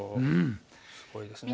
すごいですね。